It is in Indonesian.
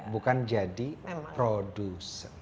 bukan jadi produser